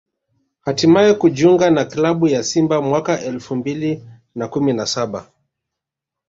hatimaye kujiunga na klabu ya Simba mwaka elfu mbili na kumi na saba